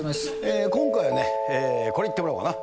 今回はね、ここに行ってもらおうかな。